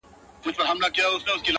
دړي وړي زړه مي رغومه نور ,